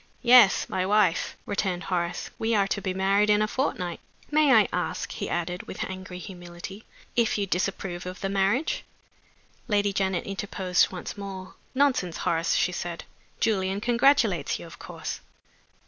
"Yes. My wife," returned Horace. "We are to be married in a fortnight. May I ask," he added, with angry humility, "if you disapprove of the marriage?" Lady Janet interposed once more. "Nonsense, Horace," she said. "Julian congratulates you, of course."